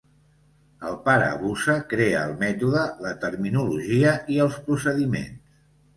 El pare Busa crea el mètode, la terminologia i els procediments.